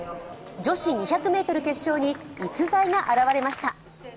女子２００ｍ決勝に逸材が現れました。